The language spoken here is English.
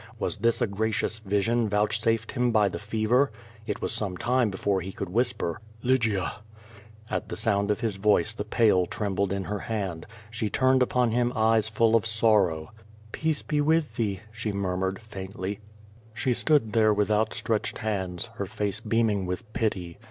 Was this a gracious vision vouchsafed him by the fever? It was some time before ne could whisper: ^'Lygia!'' At the sound of his voice the pail trembled in her hand. She turned upon him eyes full of sorrow. ''Peace be with thee," she murmured, faintly. She stood there with outstretched hands, her face beaming with pity.